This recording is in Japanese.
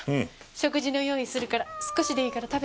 食事の用意するから少しでいいから食べていって。